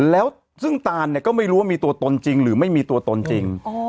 แล้วซึ่งตานเนี่ยก็ไม่รู้ว่ามีตัวตนจริงหรือไม่มีตัวตนจริง